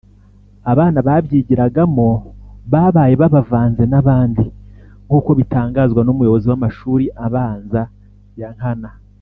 abana babyigiragamo babaye babavanze n’abandi; nk’uko bitangazwa n’umuyobozi w’amashuri abanza ya Nkana